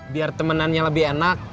biar temenannya lebih enak